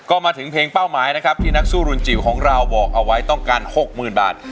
ก็มาถึงเพลงเป้าหมายนะครับที่นักสู้รุนจิ๋วของเราบอกเอาไว้ต้องการ๖๐๐๐บาท